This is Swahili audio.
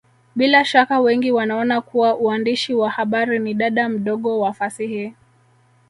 Bila shaka wengi wanaona kuwa uandishi wa habari ni dada mdogo wa fasihi